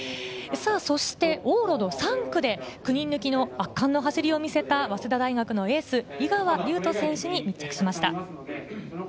往路の３区で９人抜きの圧巻の走りを見せた早稲田大学のエース・井川龍人選手に密着しました。